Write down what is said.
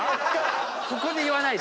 ここで言わないで。